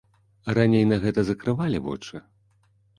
Раней на гэта закрывалі вочы?